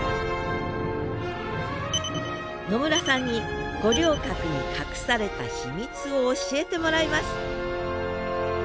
野村さんに五稜郭に隠された秘密を教えてもらいます